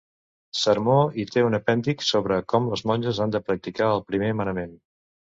Sermó I té un apèndix sobre com les monges han de practicar el primer manament.